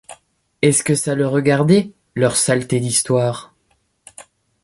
Est-ce que ça le regardait, leurs saletés d’histoires!